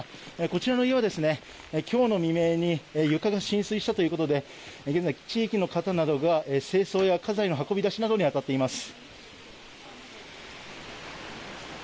こちらの家は、今日の未明に床が浸水したということで現在地域の方などが清掃や家財の運び出しなどに当たっています。